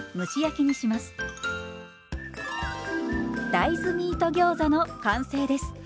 大豆ミートギョーザの完成です。